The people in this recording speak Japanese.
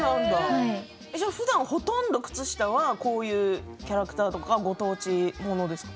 じゃあ、ふだん靴下はほとんどこういうキャラクターとかご当地ものですか？